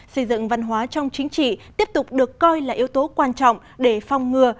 xây dựng văn hóa trong chính trị tiếp tục được coi là yếu tố quan trọng để phong ngừa